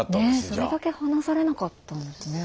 それだけ話されなかったんですね。